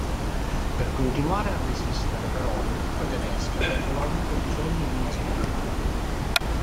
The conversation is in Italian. Per continuare a resistere, però, le truppe tedesche avrebbero avuto bisogno di una svolta.